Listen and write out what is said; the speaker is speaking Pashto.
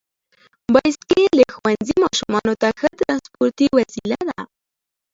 بایسکل د ښوونځي ماشومانو ته ښه ترانسپورتي وسیله ده.